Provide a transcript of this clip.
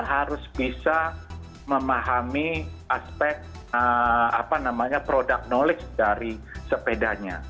dia harus bisa memahami aspek apa namanya product knowledge dari sepedanya